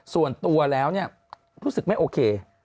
ส่วนตัวแล้วรู้สึกไม่โอเค